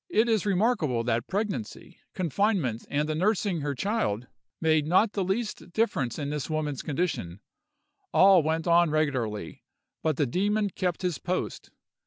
It is remarkable that pregnancy, confinement, and the nursing her child, made not the least difference in this woman's condition: all went on regularly, but the demon kept his post.